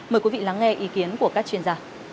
mời quý vị lắng nghe ý kiến của các chuyên gia